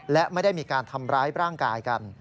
และไม่ได้มีการทำร้ายร่างกายกัน